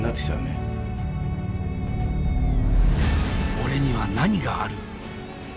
俺には何がある？